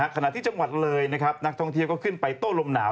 ขณะที่จังหวัดเลยนะครับนักท่องเที่ยวก็ขึ้นไปโต้ลมหนาว